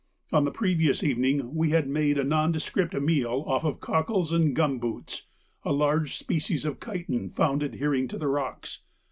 On the previous evening we had made a nondescript meal off cockles and 'gumboots,' a large species of chiton found adhering to the rocks.